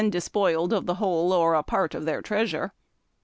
despoiled of the whole or a part of their treasure.